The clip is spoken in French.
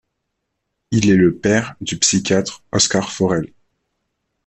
Il est le père du psychiatre Oscar Forel.